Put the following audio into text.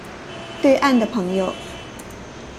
对岸的朋友